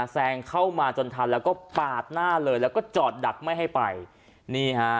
แซงเข้ามาจนทันแล้วก็ปาดหน้าเลยแล้วก็จอดดักไม่ให้ไปนี่ฮะ